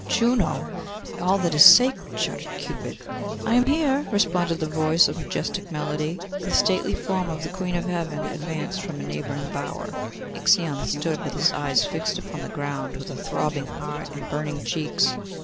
'Juno! by all that is sacred!' shouted Cupid. 'I am here,' responded a voice of majestic melody. The stately form of the Queen of Heaven advanced from a neighbouring bower. Ixion stood with his eyes fixed upon the ground, with a throbbing heart and burning cheeks.